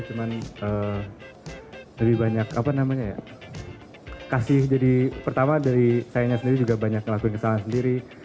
cuman lebih banyak kasih jadi pertama dari sayangnya sendiri juga banyak ngelakuin kesalahan sendiri